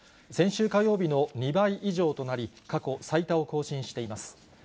先週火曜日の２倍以上となり、過去最多を更新しています。